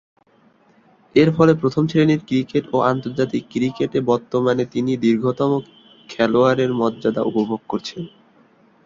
এরফলে প্রথম-শ্রেণীর ক্রিকেট ও আন্তর্জাতিক ক্রিকেটে বর্তমানে তিনি দীর্ঘতম খেলোয়াড়ের মর্যাদা উপভোগ করছেন।